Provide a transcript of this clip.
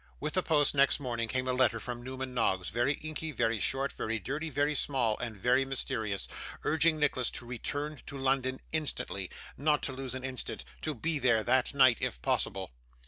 With the post next morning came a letter from Newman Noggs, very inky, very short, very dirty, very small, and very mysterious, urging Nicholas to return to London instantly; not to lose an instant; to be there that night if possible.